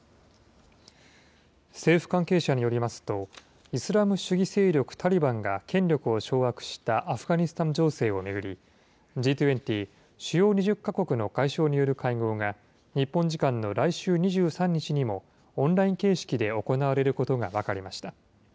政府関係者によりますと、イスラム主義勢力タリバンが権力を掌握したアフガニスタン情勢を巡り、Ｇ２０・主要２０か国の外相による会合が、日本時間の来週２３日にも、オンライン形式で行われることが分かりました。